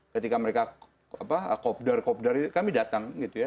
ketika mereka kopdar kopdar itu kami datang gitu ya